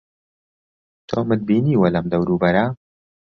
تۆمت بینیوە لەم دەوروبەرە؟